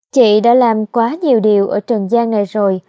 chị đã làm quá nhiều điều ở trần giang này rồi